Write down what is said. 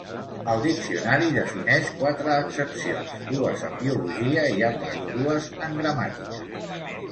El diccionari defineix quatre accepcions, dues en biologia i altres dues en gramàtica.